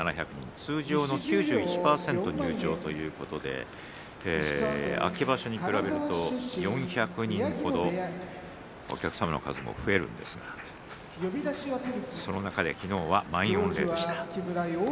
通常の９１％の入場ということで秋場所に比べると４００人程お客様の数も増えるんですがその中で昨日は満員御礼でした。